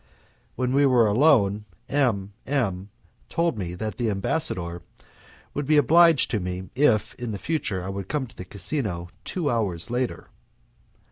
When we were alone M M told me that the ambassador would be obliged to me if in the future I would come to the casino two hours later.